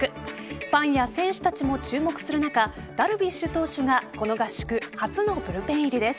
ファンや選手たちも注目する中ダルビッシュ投手がこの合宿初のブルペン入りです。